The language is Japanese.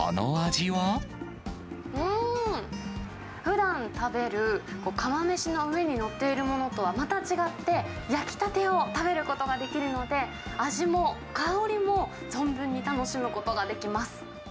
うーん、ふだん食べる釜めしの上に載っているものとはまた違って、焼きたてを食べることができるので、味も香りも存分に楽しむことができます。